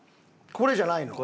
これじゃないの？